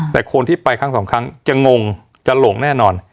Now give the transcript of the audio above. แต่คนที่ไปครั้งสองครั้งจะงงจะหลงแน่นอน